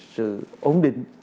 sự ổn định